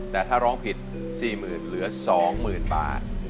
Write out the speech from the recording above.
แต่ถ้าร้องผิด๔๐๐๐เหลือ๒๐๐๐บาท